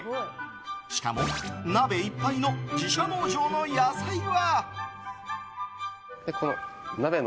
しかも、鍋いっぱいの自社農場の野菜は。